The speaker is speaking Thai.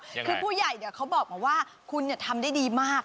คือผู้ใหญ่เขาบอกมาว่าคุณทำได้ดีมาก